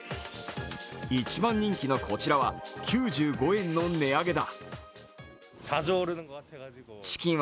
一番人気のこちらは９５円の値上げだ。